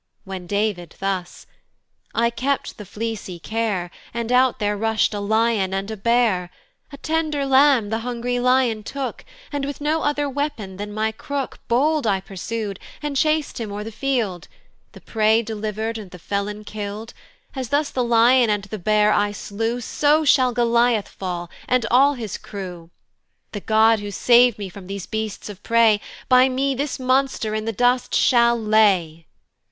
When David thus: "I kept the fleecy care, "And out there rush'd a lion and a bear; "A tender lamb the hungry lion took, "And with no other weapon than my crook "Bold I pursu'd, and chas d him o'er the field, "The prey deliver'd, and the felon kill'd: "As thus the lion and the bear I slew, "So shall Goliath fall, and all his crew: "The God, who sav'd me from these beasts of prey, "By me this monster in the dust shall lay."